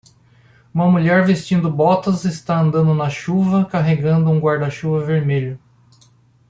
Uma mulher vestindo botas está andando na chuva carregando um guarda-chuva vermelho.